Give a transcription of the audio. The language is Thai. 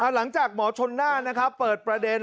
หลังจากหมอชนน่านเปิดประเด็น